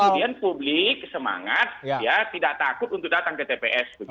biar kemudian publik semangat ya tidak takut untuk datang ke tps begitu